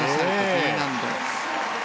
Ｄ難度。